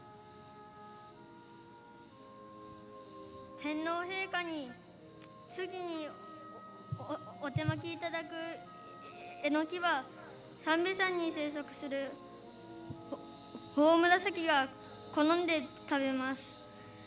天皇陛下に次にお手播きいただくエノキは三瓶山に生息するオオムラサキが好んで食べます。